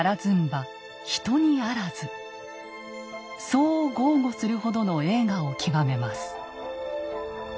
そう豪語するほどの栄華を極めます。